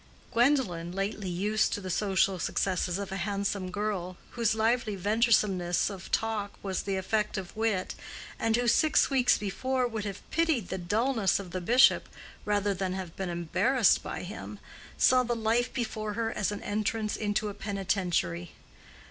Gwendolen, lately used to the social successes of a handsome girl, whose lively venturesomeness of talk has the effect of wit, and who six weeks before would have pitied the dullness of the bishop rather than have been embarrassed by him, saw the life before her as an entrance into a penitentiary.